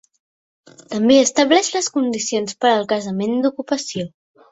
També estableix les condicions per al cessament d'ocupació.